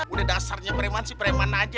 udah dasarnya preman si preman aja dar